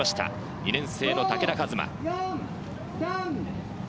２年生の武田和馬。